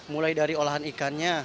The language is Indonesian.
mulai dari olahan ikannya